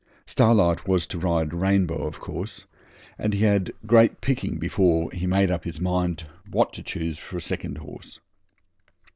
Starlight was to ride Rainbow, of course, and he had great picking before he made up his mind what to choose for second horse.